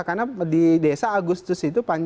karena di desa agustus itu